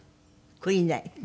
悔いない。